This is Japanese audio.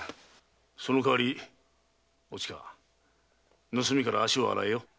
その代わりおちか盗みから足を洗えよ。